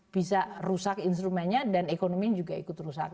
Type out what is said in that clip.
bisa rusak instrumennya dan ekonominya juga ikut rusak